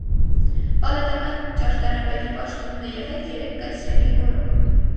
Պալատական ճարտարապետի պաշտոնում է եղել երեք կայսրերի օրոք։